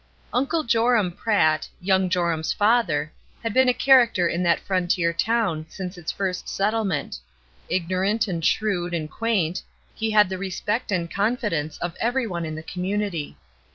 Uncle Joram Pratt, young Joram's father, had been a character in that frontier town since its first settlement. Ignorant and shrewd and quaint, he had the respect and confidence of every one in the community.